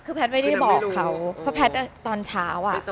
คือแพทย์ไม่ได้บอกเขาเพราะแพทย์ตอนเช้า